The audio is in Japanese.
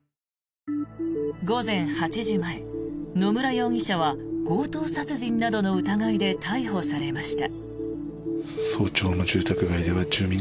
午前８時前、野村容疑者は強盗殺人などの疑いで逮捕されました。